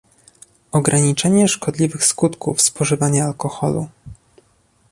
Ograniczanie szkodliwych skutków spożywania alkoholu